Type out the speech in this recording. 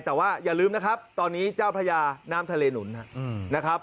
แต่ว่าอย่าลืมนะครับตอนนี้เจ้าพระยาน้ำทะเลหนุนนะครับ